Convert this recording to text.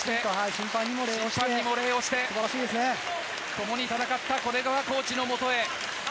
審判にも礼をして共に戦った古根川コーチのもとへ。